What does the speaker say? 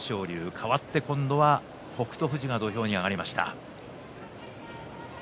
かわって今度は北勝富士が土俵に上がりました。